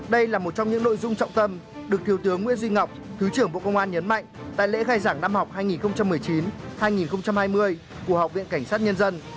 đây là một trong những nội dung trọng tâm được thiếu tướng nguyễn duy ngọc thứ trưởng bộ công an nhấn mạnh tại lễ khai giảng năm học hai nghìn một mươi chín hai nghìn hai mươi của học viện cảnh sát nhân dân